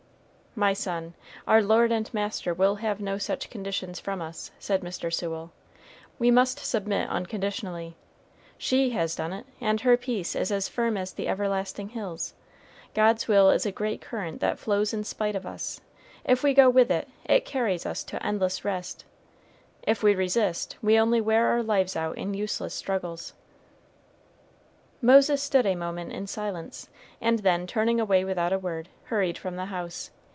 "My son, our Lord and Master will have no such conditions from us," said Mr. Sewell. "We must submit unconditionally. She has done it, and her peace is as firm as the everlasting hills. God's will is a great current that flows in spite of us; if we go with it, it carries us to endless rest, if we resist, we only wear our lives out in useless struggles." Moses stood a moment in silence, and then, turning away without a word, hurried from the house.